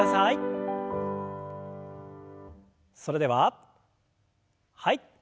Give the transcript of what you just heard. それでははい。